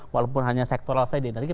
walaupun hanya sektor energi